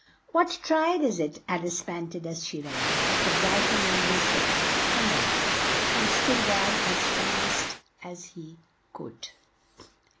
"What trial is it?" Al ice pant ed as she ran, but the Gry phon on ly said, "Come on!" and still ran as fast as he could.